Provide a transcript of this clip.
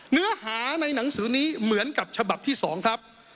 เนื้อหาในหนังสือนี้เหมือนกับฉบับที่๒ครับ